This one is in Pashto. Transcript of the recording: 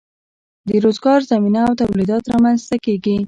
د روزګار زمینه او تولیدات رامینځ ته کیږي.